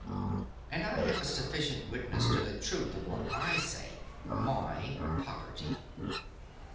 And I have a sufficient witness to the truth of what I say—my poverty.